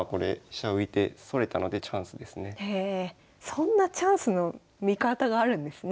そんなチャンスの見方があるんですね。